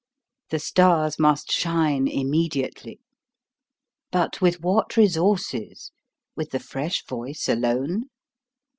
The stars must shine immediately! But with what resources? With the fresh voice alone?